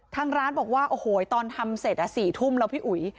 ทางร้านบอกว่าโอ้โหตอนทำเสร็จ๔ทุ่มแล้วพี่อุ๋ย